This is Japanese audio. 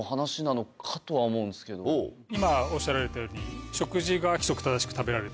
今おっしゃられたように。